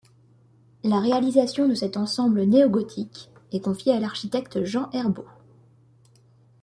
La réalisation de cet ensemble néo-gothique est confiée à l'architecte Jean Herbault.